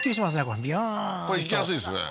これビューンとこれ行きやすいですね